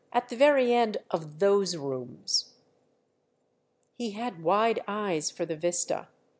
"At the very end of those rooms." He had wide eyes for the vista.